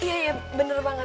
iya iya bener banget